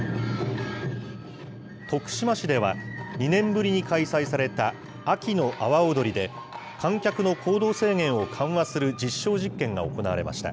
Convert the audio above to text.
徳島市では、２年ぶりに開催された秋の阿波おどりで、観客の行動制限を緩和する実証実験が行われました。